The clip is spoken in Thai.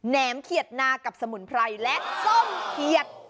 แหมเขียดนากับสมุนไพรและส้มเขียด